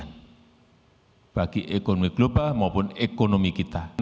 ini adalah ujian bagi ekonomi global maupun ekonomi kita